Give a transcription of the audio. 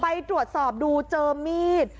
ไปตรวจสอบดูเจอมีด